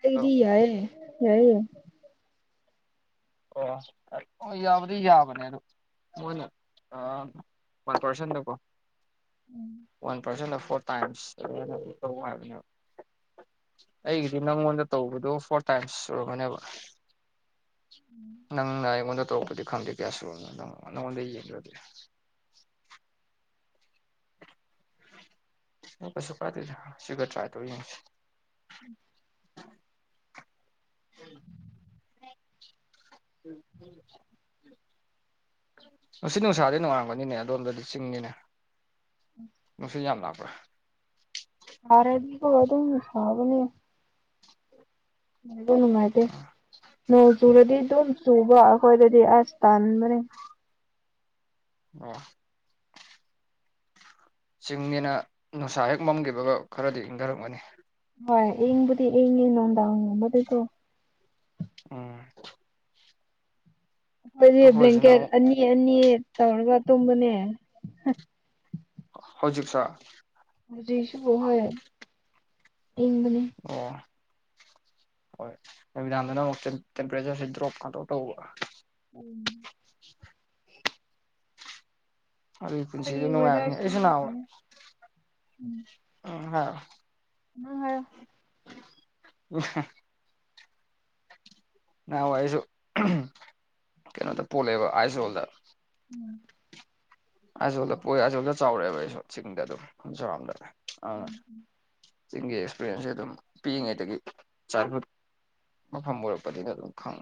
ꯀꯗꯤ ꯌꯥꯏ ꯌꯥꯏ ꯑꯣ ꯑꯣ ꯌꯥꯕꯗꯤ ꯌꯥꯕꯅꯦ ꯑꯗꯨ ꯃꯣꯏꯅ ꯋꯥꯟ ꯄꯥꯔꯁꯟꯗꯀꯣ ꯎꯝ ꯋꯥꯟ ꯄꯥꯔꯁꯟꯗ ꯐꯣꯔ ꯇꯥꯏꯝꯁ ꯇ ꯍꯥꯏꯕꯅꯦꯕ ꯑꯩꯒꯤꯗꯤ ꯅꯪꯉꯣꯟꯗ ꯇꯧꯕꯗꯣ ꯐꯣꯔ ꯇꯥꯏꯝꯁ ꯁꯨꯔꯝꯒꯅꯦꯕ ꯅꯪꯅ ꯑꯩꯉꯣꯟꯗ ꯇꯧꯔꯛꯄꯗꯤ ꯈꯪꯗꯦ ꯀꯌꯥ ꯁꯨꯔꯣꯅꯣ ꯅꯪ ꯅꯪꯉꯣꯟꯗ ꯌꯦꯡꯗꯤꯦ [inaudible] [inaudible] ꯄꯁ ꯀꯥꯏꯗ ꯁꯤꯒꯠꯇ꯭ꯔ ꯇ ꯎꯝ ꯎꯝ ꯅꯨꯡꯁꯤꯠ ꯅꯨꯡꯁꯥꯗꯤ ꯅꯨꯡꯉꯡꯕꯅꯤꯅꯦ ꯑꯗꯣꯝꯗꯗꯤ ꯆꯤꯡꯅꯤꯅꯦ ꯅꯨꯡꯁꯤꯠ ꯌꯥꯝ ꯂꯥꯛꯄ ꯋꯥ ꯍꯗ ꯁꯥꯥꯕꯅꯦ ꯃꯒꯅꯅꯨꯡꯃꯗꯦ ꯅꯣꯡ ꯆꯨꯨꯔꯗꯤ ꯑꯗꯨꯝ ꯆꯨꯕ ꯑꯩꯈꯣꯏꯗꯗꯤ ꯑꯁ ꯇꯥꯟꯕꯅꯦ ꯑ ꯆꯤꯡꯅꯤꯅ ꯅꯨꯡꯁꯥ ꯍꯦꯛ ꯃꯝꯈꯤꯕꯒ ꯈꯔꯗꯤ ꯏꯪꯊꯔꯛꯃꯅꯤ ꯍꯣꯏ ꯑꯩꯪꯕꯨꯗꯤ ꯑꯩ ꯅꯨꯡꯗꯥ ꯉꯕꯗꯨꯀꯣ ꯑꯝ ꯑꯩꯈꯣꯏꯗꯤ ꯕ꯭ꯂꯦꯡꯀꯦꯠ ꯑꯃꯨꯛ ꯑꯅꯤ ꯑꯅꯤ ꯇꯧꯔꯒ ꯇꯨꯝꯕꯅꯦ ꯍꯧꯖꯤꯛ ꯁꯥ ꯗꯤꯁꯨꯕ ꯑꯣ ꯍꯣꯏ ꯅꯨꯃꯤꯗꯥꯡꯗꯅ ꯑꯃꯨꯛ ꯇꯦꯝꯄꯔꯦꯆꯔꯁꯤ ꯗ꯭ꯔꯣꯞ ꯈꯇ ꯇꯧꯕ ꯎꯝ ꯑꯗꯨꯒꯤ ꯄꯨꯟꯁꯤꯗꯨ ꯅꯨꯡꯉꯥꯏꯕꯅꯤ ꯑꯩꯁꯨ ꯀꯁ ꯅꯍꯥꯟꯋꯥꯏ ꯀꯥꯏ ꯎꯝ ꯍ ꯑ ꯍ ꯎ ꯅꯍ ꯑꯩꯁꯨ ꯀꯩꯅꯣꯗ ꯄꯣꯂꯦꯕ ꯑꯥꯏ ꯁꯣꯜꯗ ꯎꯝ ꯑꯣꯂ ꯄꯣꯛꯑꯦ ꯑꯣꯗ ꯆꯥꯎꯔꯦꯕ ꯑꯩꯁꯨ ꯆꯤꯡꯗ ꯑꯗꯨꯝꯗꯔꯦ ꯎꯝ ꯎꯝ ꯆꯤꯡꯒꯤ ꯑꯦꯛꯁꯄꯔꯌꯦꯟꯁꯁꯦ ꯑꯗꯨꯝ ꯄꯤꯛꯏꯉꯩꯗꯒꯤ ꯆꯥꯐ ꯃ ꯐꯕꯣꯔ ꯄꯗꯤ ꯅ ꯑꯗꯨ ꯈꯥꯎ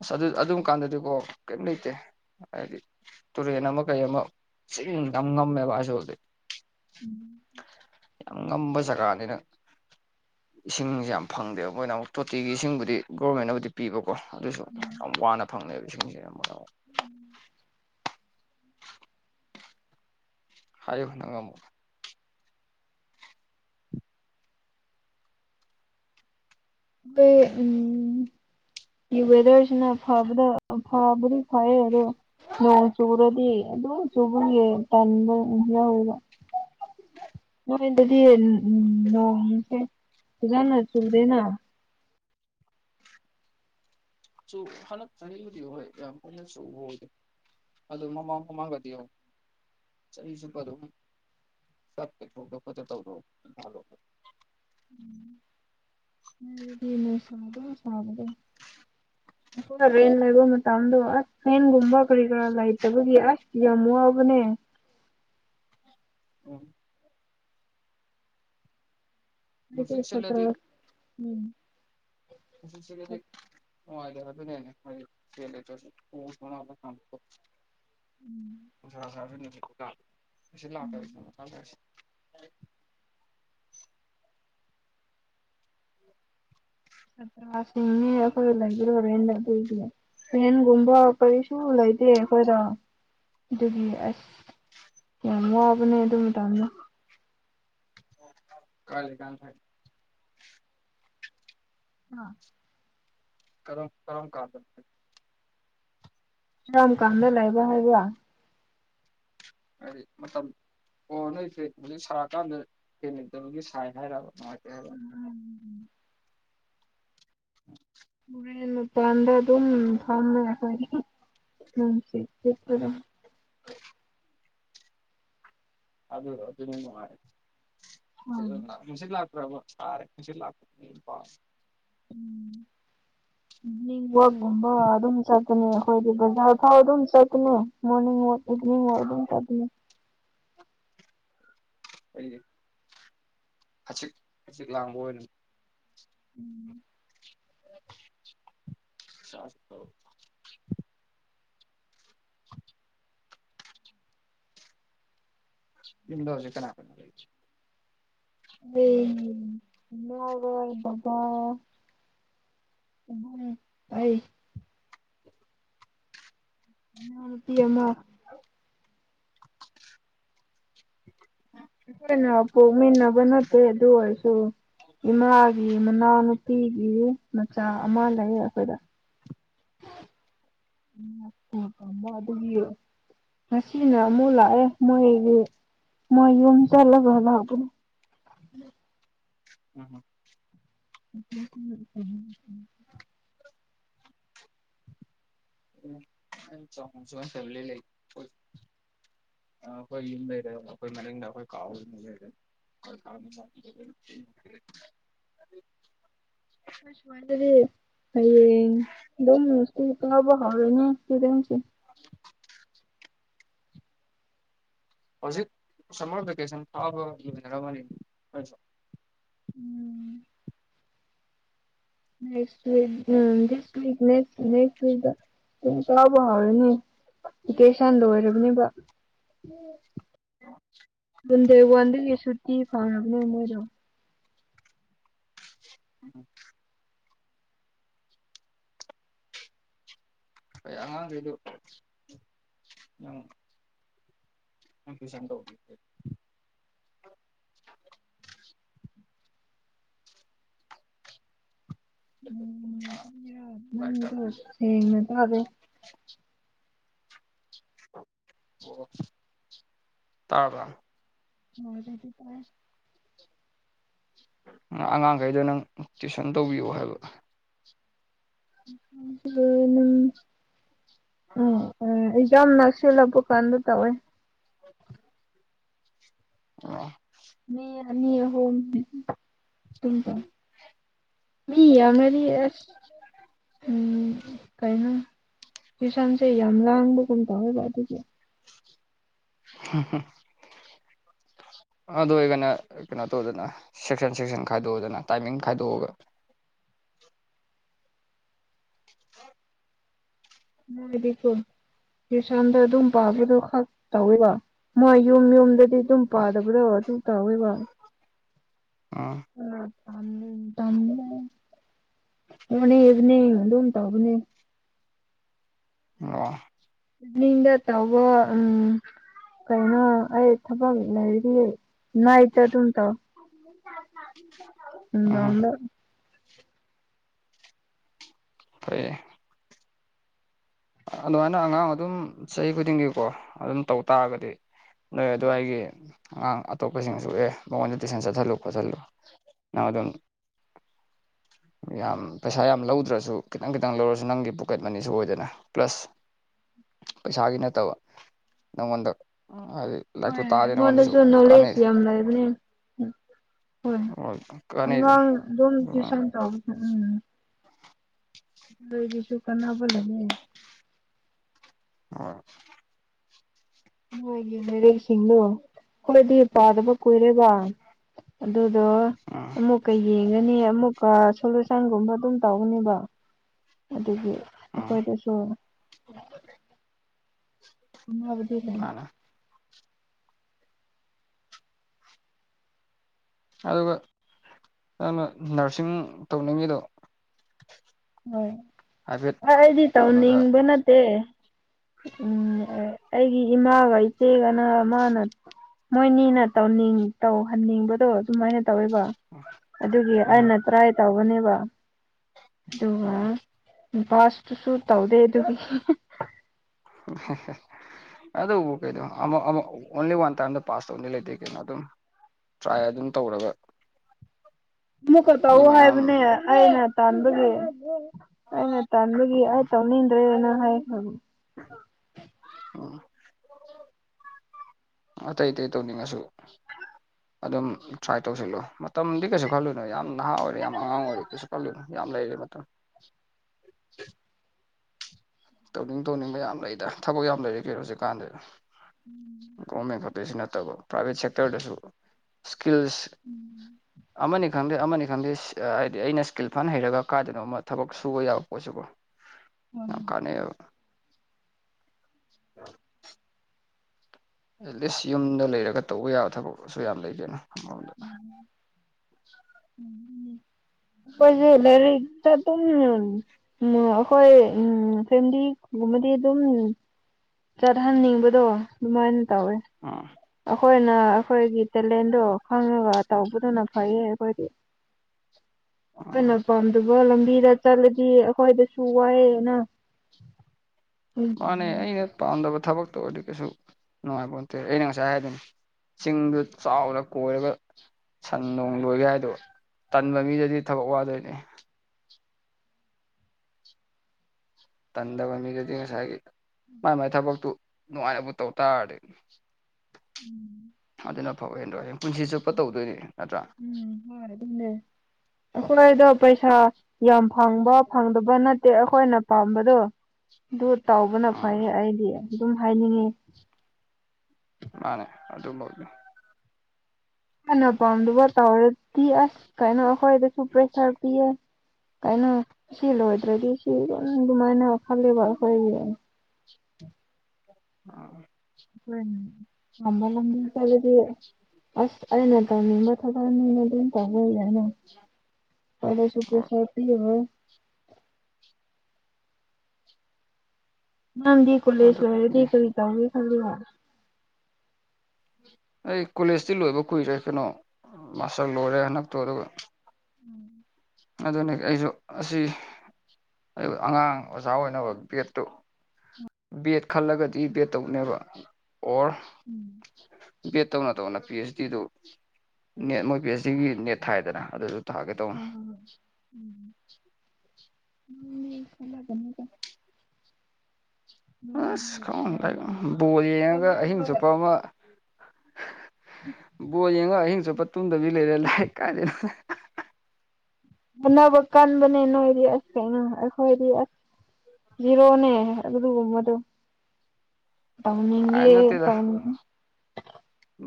ꯑꯁ ꯑꯗꯨ ꯑꯗꯨꯝ ꯀꯥꯟꯗꯗꯤꯀꯣ ꯀꯔꯤꯝ ꯂꯩꯇꯦ ꯍꯥꯏꯗꯤ ꯇꯨꯔꯦꯟ ꯑꯃ ꯀꯩ ꯑꯃ ꯆꯁꯤꯡ ꯌꯥꯝ ꯉꯝꯃꯦꯕ ꯍꯥꯏꯁꯨ ꯍꯧꯗꯤ ꯎꯝ ꯌꯥꯝ ꯉ ꯆ ꯀꯥꯅꯤꯅ ꯏꯁꯤꯡꯁꯦ ꯌꯥꯝ ꯐꯪꯗꯦꯕ ꯃꯣꯏꯅ ꯑꯃꯨꯛ ꯇꯣꯇꯤꯒꯤ ꯏꯁꯤꯡꯕꯨꯗꯤ ꯒꯣꯔꯃꯦꯟꯅꯕꯨꯗꯤ ꯄꯤꯕꯀꯣ ꯑꯗꯨꯁꯨ ꯌꯥꯝ ꯎꯝ ꯋꯥꯅ ꯐꯪꯅꯩꯕ ꯏꯁꯤꯡꯁꯦ ꯌꯥꯝ ꯍꯥꯏ ꯅꯪꯉꯃꯨ ꯑ ꯎꯝ ꯌꯋꯦꯗꯔꯁꯤꯅ ꯐꯕ ꯐꯕꯗꯤ ꯐꯌꯦ ꯑꯗꯨ ꯅꯣꯡ ꯆꯨꯔꯗꯤ ꯑꯗꯨ ꯆꯨꯕꯨꯡ ꯇ ꯍꯒ ꯁꯤ ꯎꯦꯖꯅ ꯆꯜꯗꯅ ꯁ ꯍꯅ ꯊꯗꯤ ꯍ ꯌꯥꯝ ꯁ ꯑꯗꯨ ꯃꯃꯥꯡ ꯃꯃꯥꯡꯒꯗꯤ ꯆꯍꯤ ꯆꯨꯞꯄ ꯑꯗꯨꯝ ꯁꯛꯀ ꯊꯣꯛ ꯐꯗ ꯇꯧꯗ ꯃ ꯁꯗ ꯁꯕꯗ ꯑꯩꯏ ꯔꯦꯟ ꯂꯩꯕ ꯃꯇꯝꯗꯣ ꯑꯁ ꯔꯦꯟꯒꯨꯝꯕ ꯀꯔꯤ ꯀꯔꯥ ꯂꯩꯇꯕꯒꯤ ꯑꯁ ꯌꯥꯝ ꯋꯥꯕꯅꯦ [inaudible] ꯎꯝ ꯑꯩꯗꯤ ꯅꯨꯡꯁꯤꯠ ꯁꯇ ꯁꯤꯠꯂꯗꯤ ꯎꯝ ꯑ ꯁꯤꯗꯤ ꯑꯣꯔ ꯑꯗꯨ ꯑꯣꯥ ꯂꯥꯛꯁꯤ ꯐ ꯎ ꯆꯠꯇ꯭ꯔꯁꯤꯡꯅꯤ ꯑꯩꯈꯣꯏ ꯂꯩꯕꯤ꯭ꯔꯣꯔꯦꯟ ꯑꯗꯨꯏꯒꯤ ꯔꯦꯟꯒꯨꯝꯕ ꯑꯩꯈꯣꯏ ꯁꯨ ꯂꯩꯇꯦ ꯑꯩꯈꯣꯏꯔ ꯑꯗꯨꯒꯤ ꯑꯁ ꯌꯥꯝ ꯋꯥꯕꯅꯦ ꯑꯗꯨꯝ ꯇꯥꯅ ꯀꯂ ꯀꯥꯟ ꯊꯥꯏ ꯑꯥ ꯀꯔꯝ ꯀꯝ ꯀꯥ ꯀꯔꯝ ꯀꯥꯟꯅ ꯂꯩꯕ ꯍꯥꯏꯕ꯭ꯔ ꯍꯥꯏꯗꯤ ꯃꯇꯝ ꯑꯣ ꯅꯣꯏꯁꯦ ꯍꯧꯖꯤꯛ ꯁꯥꯔꯀꯥꯟꯗ ꯍꯦꯟꯃꯤꯗꯕꯒꯤ ꯁꯥꯏ ꯍꯥꯏꯔꯔꯕ ꯃꯠꯇ ꯎꯝ ꯄꯥꯟꯗꯥ ꯑꯗꯨꯝ ꯊꯝꯃꯦꯣꯏ ꯎꯝ ꯁꯤꯄꯗꯝ ꯑꯗꯨꯗꯣ ꯑꯗꯨ ꯎꯝ ꯅꯨꯡꯉꯥꯏꯅꯨꯡꯁꯤꯠ ꯂꯥꯛ ꯔ ꯁꯔꯦꯁꯤ ꯂꯥꯛ ꯄ ꯎꯝ ꯎꯝ ꯃꯅꯤꯡ ꯋꯥꯛꯀꯨꯝꯕ ꯑꯗꯨꯝ ꯆꯠꯀꯅꯤ ꯑꯩꯈꯣꯏꯗꯤ ꯕꯖꯥꯔ ꯐꯥꯎ ꯑꯗꯨꯝ ꯆꯠꯀꯅꯤ ꯃꯣꯔꯅꯤꯡ ꯋꯥꯛ ꯏꯚꯅꯤꯡ ꯍꯗ ꯁꯥꯗ ꯑ ꯆꯤꯛꯆꯤꯛ ꯂꯥꯡꯕ ꯑꯣꯏꯅ ꯎꯝ ꯆꯁꯣ [unintelligible] ꯏꯟꯗꯣꯔꯁꯦ ꯀꯅꯥ ꯀ ꯑꯦ ꯏꯔ ꯕꯥ ꯎ ꯇ ꯑꯄꯤ ꯑꯃ ꯍꯅꯦ ꯑꯣ ꯃꯤꯅꯥꯕꯅꯠꯇ ꯑꯗꯨ ꯑꯣꯏꯣꯏꯁꯨ ꯏꯃ ꯃꯅꯥꯎꯅꯨꯄꯤꯒꯤ ꯃꯆꯥ ꯑꯃ ꯂꯩꯌꯦ ꯑꯩꯈꯣꯏꯗ ꯎ ꯀ ꯋꯥ ꯑꯗꯨꯒꯤ ꯍꯥꯁꯤꯅ ꯃꯣ ꯂ ꯑꯦ ꯃꯣꯏ ꯃꯣꯏꯨꯝ ꯆꯂꯒ ꯂꯒ ꯎꯝ [unintelligible] ꯎ ꯆ ꯁ ꯐꯂꯤ ꯂꯩ ꯑ ꯑꯩꯈꯣꯏ ꯌꯨꯝ ꯂꯩꯔꯦ ꯑꯩꯈꯣꯏ ꯃꯅꯤꯡꯗ ꯑꯩꯈꯣꯏ ꯀꯥꯎ ꯌ ꯂꯩꯔꯦ [unintelligible] ꯑꯁꯃꯗ ꯍꯌꯦ ꯑꯗꯨꯣꯝ ꯃꯁꯕ ꯍꯥꯔꯅꯤꯗꯁꯤ [unintelligible] ꯍꯧꯖꯤꯛ ꯁꯝꯃꯔ ꯚꯦꯀꯦꯁꯟ ꯐꯥꯕꯔꯝꯅꯤ ꯎꯝ ꯅꯦꯛꯁꯛ ꯎꯗꯤ ꯅ ꯅꯦꯛꯁꯛ ꯇ ꯑꯕ ꯍꯥꯏꯔꯅꯤ ꯀꯦꯁꯟ ꯂꯔꯅꯤ ꯑꯣ ꯟꯗꯦ ꯋꯥꯟꯒꯤ ꯁꯨꯇꯤ ꯐꯪꯔꯕꯅꯦ ꯃꯣꯏꯗꯣ ꯎꯝ ꯑ ꯑꯉꯥꯡ ꯀ ꯐꯁꯟ ꯇ [unintelligible] ꯇꯥꯛꯄꯤ ꯁꯅꯦ ꯇ ꯑꯦ ꯇꯥꯕ ꯍ ꯑꯗꯨꯗꯤ ꯇꯥꯏ ꯑꯉꯥꯡꯈꯩꯗꯣ ꯅꯪ ꯇꯨꯁꯟ ꯇꯧꯕꯤꯌꯣ ꯍꯥꯏꯕ ꯝ ꯑ ꯎ ꯑꯦꯖꯥ ꯅꯁꯤꯂꯕꯨ ꯀꯥꯟꯗ ꯇꯧꯋꯦ [inaudible] ꯑꯣ ꯃꯤꯅꯤ ꯍ ꯇꯀ ꯃꯤ ꯌꯥ ꯃꯗꯤ ꯀꯩꯅꯣ ꯀꯤꯁꯟꯁꯦ ꯌꯥꯝ ꯂꯥꯡꯕꯒꯨꯝ ꯇꯧꯋꯦꯕ ꯑꯗꯨꯒꯤ ꯍ ꯍ ꯑꯗꯨ ꯑꯣꯏꯔꯒꯅ ꯀꯩꯅꯣ ꯇꯧꯗꯅ ꯁꯦꯛꯁꯟ ꯁꯦꯛꯁꯟ ꯈꯥꯏꯗꯣꯛꯑꯗꯅ ꯇꯥꯏꯃꯤꯡ ꯈꯥꯏꯗꯣꯛꯑꯒ [inaudible] ꯉꯀꯣ ꯌꯁꯥꯟꯗꯔ ꯑꯗꯨꯝ ꯄꯕꯗꯨ ꯈ ꯇꯧꯋꯦꯕꯣ ꯃꯣꯏ ꯌꯨꯝ ꯌꯨꯝꯗ ꯁꯤ ꯑꯗꯨꯝ ꯄꯥꯗꯕ꯭ꯔꯑꯣ ꯇꯨ ꯇꯥꯋꯦ ꯋꯥ ꯑ ꯎꯝ ꯇ ꯇ ꯍꯅꯦꯕꯅꯦꯗ ꯍ ꯇꯕꯅꯦ ꯋꯥ ꯑꯗꯨ ꯇꯕ ꯎꯝ ꯀꯩꯅꯣ ꯑꯩ ꯊꯕꯛ ꯂꯩꯔꯤ ꯅꯥꯏꯇ ꯑꯗꯨꯝ ꯇꯧ ꯏꯅ ꯎꯝ ꯐ ꯑꯗꯨꯃꯥꯏꯅ ꯑꯉꯥꯡ ꯑꯗꯨꯝ ꯆꯍꯤ ꯈꯨꯗꯤꯡꯒꯤꯀꯣ ꯑꯗꯨꯝ ꯇꯧ ꯇꯥꯔꯒꯗꯤ ꯅꯣꯏ ꯑꯗꯨ ꯑꯩꯒꯤꯦ ꯑꯉꯥꯡ ꯑꯇꯣꯞꯄꯁꯤꯡꯁꯨ ꯑꯦ ꯃꯉꯣꯟꯗ ꯇꯨꯏꯁꯟ ꯆꯠꯊꯜꯂꯨ ꯈꯣꯠꯆꯜꯂꯨ ꯅꯪ ꯑꯗꯨꯝ ꯌꯥꯝ ꯄꯩꯁꯥ ꯌꯥꯝ ꯂꯧꯗ꯭ꯔꯁꯨ ꯈꯤꯇꯪ ꯈꯤꯇꯪ ꯂꯧꯔꯁꯨ ꯅꯪꯒꯤ ꯄꯣꯀꯦꯠ ꯃꯅꯤꯁꯨ ꯑꯣꯏꯗꯅ ꯄ꯭ꯂꯁ ꯄꯩꯁꯥꯒꯤ ꯅꯠꯇꯕ ꯅꯪꯉꯣꯟꯗ ꯍꯥꯏꯗꯤ ꯍꯣꯏ ꯂꯥꯏꯔꯤꯛꯇꯨ ꯇꯥꯛꯑꯗꯤ ꯅꯪꯉꯣꯟꯗꯁꯨ ꯑꯩꯉꯣꯟꯗꯁꯨ ꯀꯥꯟꯅꯩ ꯅꯣꯂꯦꯖ ꯌꯥꯝ ꯂꯩꯕꯅꯦ ꯍꯣꯏ ꯀꯥꯟꯅꯩꯗꯅ ꯑꯉꯥꯡ ꯑꯗꯨꯝ ꯑꯗꯨꯃꯥꯏꯅ ꯇ꯭ꯨꯁꯟ ꯇꯧ ꯎꯝ ꯂꯣꯏꯗꯤꯁꯨꯨ ꯀꯅꯥ ꯐꯂꯅꯦ ꯑ ꯅꯨꯡꯉꯥꯏꯒꯤꯦ ꯂꯩꯔꯦꯁꯤꯡꯅꯣ ꯑꯩꯣꯏꯗꯤ ꯄꯥꯗꯕ ꯀꯨꯏꯔꯦꯕ ꯑꯗꯨꯗꯣ ꯎꯝ ꯑꯃꯨꯛꯀ ꯌꯦꯡ ꯐꯪꯒꯅꯤ ꯑꯃꯨꯛꯀ ꯁꯣꯂꯨꯁꯟꯒꯨꯝꯕ ꯑꯗꯨꯝ ꯇꯧꯒꯅꯦꯕ ꯑꯗꯨꯒꯤ ꯎꯝ ꯍꯣꯏ ꯇꯁꯨꯣ ꯎꯕꯗꯤ ꯂꯩꯅꯦ ꯃꯥꯅꯦ ꯑꯗꯨꯒ ꯅꯩꯅ ꯅꯔꯁꯤꯡ ꯇꯧꯅꯤꯡꯉꯤꯗꯣ ꯍꯣꯏ ꯍꯥꯏꯐꯦꯠ ꯑꯩꯗꯤ ꯀꯩꯅꯣꯗ ꯇꯧꯅꯤꯡꯕ ꯅꯠꯇꯦ ꯎꯝ ꯑꯩꯒꯤ ꯏꯃꯥꯒ ꯏꯆꯦꯒꯅ ꯃꯥꯅ ꯃꯣꯏꯅꯤꯅ ꯇꯧꯅꯤꯡ ꯇꯧꯍꯟꯅꯤꯡꯕꯗꯣ ꯑꯗꯨꯃꯥꯏꯅ ꯇꯧꯕ ꯑꯗꯨꯒꯤ ꯎꯝ ꯑꯩꯅ ꯇ꯭ꯔꯥꯏ ꯇꯧꯧꯕꯅꯦꯕ ꯑꯗꯨ ꯑꯣ ꯑ ꯁ ꯇꯨꯁꯨ ꯇꯧꯗ ꯑꯗꯨ ꯑ ꯑꯗꯨ ꯎ ꯀꯩꯗ ꯑꯣꯟꯂꯤ ꯋꯥꯟ ꯊꯔ ꯄꯥꯁ ꯇꯧ ꯂꯩ ꯀ ꯇ꯭ꯔꯥꯏ ꯑꯗꯨꯝ ꯇꯧꯔꯒ ꯑꯃꯨꯛꯀ ꯃꯤ ꯇꯧꯎ ꯃꯌꯥꯝ ꯍꯥꯏꯕꯅꯦ ꯑꯩꯅ ꯇꯥꯟꯕꯒꯤ ꯑꯩꯅ ꯇꯥꯟꯒꯤ ꯑꯩ ꯇꯧꯅꯤꯡꯤꯟ꯭ꯔꯦꯅ ꯍꯥꯏ ꯑꯣ [inaudible] ꯑꯇꯩ ꯑꯇꯩ ꯇꯧꯅꯤꯡꯉꯁꯨ ꯑꯗꯨꯝ ꯇ꯭ꯔꯥꯏ ꯇꯧꯁꯤꯜꯂꯣ ꯃꯇꯝꯗꯤ ꯀꯩꯁꯨ ꯈꯜꯂꯨꯅꯣ ꯌꯥꯝ ꯅꯍꯥ ꯑꯣꯏꯔꯦ ꯌꯥꯝ ꯑꯉꯥꯡ ꯑꯣꯏꯔꯦ ꯀꯩꯁꯨ ꯈꯜꯂꯨ ꯌꯥꯝ ꯂꯩꯔꯦ ꯃꯇꯝ ꯇꯧꯅꯤꯡ ꯇꯧꯅꯤꯡꯕ ꯌꯥꯝ ꯂꯩꯗ ꯊꯕꯛ ꯌꯥꯝ ꯂꯩꯔꯦ ꯀꯣ ꯍꯧꯖꯤꯛꯀꯥꯟꯗꯤꯗ ꯒꯣꯔꯃꯦꯟ ꯈ ꯁꯨ ꯅꯠꯇꯕ ꯄ꯭ꯔꯥꯏꯚꯦꯠ ꯁꯦꯛꯇꯔꯗꯁꯨ ꯏꯁꯀꯤꯜꯁ ꯑꯃꯅꯤ ꯈꯪꯗꯦ ꯑꯃꯅꯤ ꯈꯪꯗꯦ ꯍꯥꯏꯗꯤ ꯑꯩꯅ ꯏꯁꯀꯤꯜ ꯐꯟ ꯍꯩꯔꯒ ꯀꯥꯏꯗꯅꯕ ꯑꯃ ꯊꯕꯛ ꯁꯨꯕ ꯌꯥꯕ ꯄꯣꯠꯁꯤꯀꯣ ꯑ [unintelligible] [inaudible] ꯑꯦꯠꯂꯤꯁ ꯌꯨꯝꯗ ꯂꯩꯔꯒ ꯇꯧꯕ ꯌꯥꯕ ꯊꯕꯛꯁꯨ ꯌꯥꯝ ꯂꯩꯒꯦꯅ ꯑꯃꯔꯣꯝꯗ ꯎꯝ ꯎꯝ ꯎꯄ ꯭ꯋꯦꯂꯔꯤꯗ ꯇ ꯎꯝ ꯑꯩꯈꯣꯏ ꯎꯝ ꯐꯦꯃꯤꯂꯤꯒꯨꯝꯕꯗꯤ ꯑꯗꯨꯝ ꯆꯠꯍꯟꯅꯤꯡꯕꯗꯣ ꯑꯗꯨꯃꯥꯏꯅ ꯇꯧꯋꯦ ꯑ [unintelligible] [inaudible] ꯑꯩꯈꯣꯏꯅ ꯑꯩꯈꯣꯏꯒꯤ ꯇꯦꯂꯦꯟꯗꯣ ꯈꯪꯉꯒ ꯇꯧꯕꯗꯨꯅ ꯐꯩꯌꯦ ꯑꯩꯈꯣꯏꯗꯤ ꯎꯝ ꯑꯩꯈꯣꯏꯅ ꯄꯥꯝꯗꯕ ꯂꯝꯕꯤꯗ ꯆꯠꯂꯗꯤ ꯑꯩꯈꯣꯏꯗ ꯁꯨꯋꯥꯑꯅ ꯃꯥꯅꯦ ꯑꯩꯅ ꯄꯥꯝꯗꯕ ꯊꯕꯛꯇꯔꯗꯤ ꯀꯩꯁꯨ ꯅꯨꯡꯉꯥꯏꯕꯇꯦ ꯑꯩꯅ ꯉꯁꯥꯏ ꯍꯥꯏꯗꯣꯏꯅꯤ ꯆꯤꯡꯗꯨ ꯆꯥꯎꯔ ꯀꯣꯏꯔꯒ ꯁꯟ ꯅꯣꯡ ꯂꯣꯏꯒꯦ ꯍꯥꯏꯗꯣ ꯇꯟꯕ ꯃꯤꯗꯗꯤ ꯊꯕꯛ ꯋꯥꯗꯣꯏꯅꯦ ꯇꯟꯗꯕ ꯃꯤꯗꯗꯤ ꯉꯁꯥꯏꯒꯤ ꯃꯥꯏ ꯃꯥꯏ ꯊꯕꯛꯇꯨ ꯅꯨꯡꯉꯥꯏꯕꯨ ꯇꯧ ꯇꯥꯔꯔꯗꯤ ꯎꯝ ꯑꯗꯨꯅ ꯐꯧ ꯍꯦꯦꯟꯗꯣ ꯍꯌꯦꯡ ꯄꯨꯟꯁꯤ ꯆꯨꯞꯄ ꯇꯧꯗꯣꯏꯅꯦ ꯎꯝꯅꯦ ꯁꯅꯥꯏꯗ ꯄꯩꯁꯥ ꯌꯥꯝ ꯐꯪꯕ ꯐꯪꯗꯕ ꯅꯠꯇꯦ ꯑꯩꯈꯣꯏꯅ ꯄꯥꯝꯕꯗꯣ ꯑꯗꯨ ꯇꯧꯕꯅ ꯎꯝ ꯐꯩꯌꯦ ꯑꯩꯗꯤ ꯑꯗꯨꯝ ꯍꯥꯏꯅꯤꯡꯉꯤ ꯃꯥꯅꯦ ꯑꯗꯨ ꯑꯗꯨ ꯍꯧꯗ ꯍꯥꯟꯅ ꯄꯥꯝꯗꯕ ꯇꯧꯔꯗꯤ ꯑꯁ ꯀꯩꯅꯣ ꯑꯩꯈꯣꯏꯗꯁꯨ ꯄ꯭ꯔꯦꯁꯥꯔ ꯄꯤꯌꯦ ꯀꯩꯅꯣ ꯁꯤ ꯂꯣꯏꯗ꯭ꯔꯗꯤ ꯁꯤ ꯑꯗꯨꯃꯥꯏꯅ ꯈꯜꯂꯤꯕ ꯑꯩꯈꯣꯏꯒꯤ ꯑ [unintelligible] [inaudible] ꯍꯣꯏ ꯑꯝꯕꯜ ꯇ ꯑꯁ ꯑꯅ ꯇ ꯅꯤꯡꯝꯕ ꯊꯅꯗ ꯇꯧꯕꯗ ꯍꯅ ꯇꯗꯁꯨꯄ꯭ꯔ ꯍꯣꯏ ꯁꯥꯇꯤꯕ ꯅꯝꯗꯤ ꯀꯣꯂꯦꯖ ꯑꯗꯨ ꯑꯣꯏꯔꯗꯤ ꯀꯔꯤ ꯇꯧꯒꯦ ꯈꯜꯂꯤꯕ ꯑꯩ ꯀꯣꯂꯦꯖꯇꯤ ꯂꯣꯏꯕ ꯀꯨꯏꯔꯦ ꯀꯩꯅꯣ ꯃꯥꯁꯇꯔ ꯂꯣꯏꯔꯦ ꯍꯟꯗꯛꯇꯣ ꯑꯗꯨꯒ ꯎꯝ ꯑꯗꯨꯅꯦ ꯑꯩꯁꯨ ꯑꯁꯤ ꯑꯉꯥꯡ ꯑꯣꯖꯥ ꯑꯣꯏꯅꯕ ꯕꯦꯠꯇꯨ ꯕꯦꯠ ꯈꯜꯂꯒꯗꯤ ꯕꯦꯠ ꯇꯧꯅꯦꯕ ꯑꯣꯔ ꯕꯦꯠ ꯇꯧꯅ ꯇꯧꯅ ꯄꯤ ꯑꯩꯆ ꯗꯤꯗꯨ ꯅꯦꯠ ꯃꯣꯏ ꯄꯤ ꯑꯩꯆ ꯗꯤꯒꯤ ꯅꯦꯠ ꯊꯥꯏꯗꯅ ꯑꯗꯨꯁꯨ ꯇꯥꯒꯦ ꯇꯧꯕ ꯎꯝ ꯎꯝ ꯈꯂꯒꯅꯤꯒ ꯑꯁ ꯈꯪꯉ ꯕꯣꯜ ꯌꯦꯡꯉꯒ ꯑꯍꯤꯡ ꯆꯨꯞꯄ ꯑꯃ ꯕꯣ ꯌꯦꯡꯉꯣ ꯑꯍꯤꯡ ꯆꯨꯞꯄ ꯇꯨꯝꯗꯕꯤ ꯂꯩꯔꯦ ꯂꯥꯏ ꯀꯥꯗꯦ ꯑꯅꯕ ꯀꯟꯕꯅꯦ ꯅꯣꯏꯗꯤ ꯑꯁ ꯀꯩꯅ ꯑꯩꯈꯣꯏꯗꯤ ꯑ ꯖꯤꯔꯣꯅꯦ ꯑꯗꯨꯃ ꯑꯗꯨꯣ ꯇꯧꯅꯤꯡꯦ ꯇꯧꯅꯤꯡ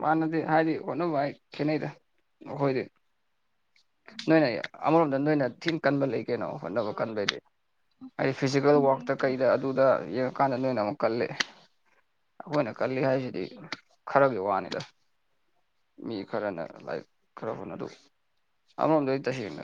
ꯃꯥꯅꯗꯤ ꯍꯥꯏꯗꯤ ꯍꯣꯠꯅꯨ ꯚꯥꯏ ꯈꯦꯠꯅꯩꯗ ꯑꯩꯈꯣꯏꯗꯤ ꯅꯣꯏꯅꯦ ꯑꯃꯔꯣꯝꯗ ꯅꯣꯏꯅ ꯊꯤꯟ ꯀꯟꯕ ꯂꯩ ꯀꯩꯅꯣ ꯍꯣꯠꯅꯕ ꯀꯟꯕꯩꯗꯤ ꯑꯩ ꯐꯤꯖꯤꯀꯦꯜ ꯋꯔꯇ ꯀꯩꯗ ꯑꯗꯨꯗ ꯀꯥꯟꯗ ꯅꯣꯏꯅ ꯑꯃꯨꯛ ꯀꯂ ꯑꯩꯈꯣꯏꯅ ꯀꯜꯂꯤ ꯍꯥꯏꯁꯤꯗꯤ ꯈꯔ ꯀꯅꯤꯗ ꯃꯤ ꯈꯔꯅ ꯂꯥꯏꯔꯤꯛ ꯈꯔ ꯍꯣꯠꯅ ꯑꯗꯨ ꯑꯃꯔꯣꯝꯗꯩ ꯇꯁꯦꯡꯅ